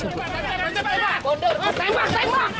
tembak tembak tembak